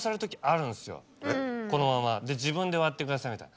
このままで自分で割ってくださいみたいな。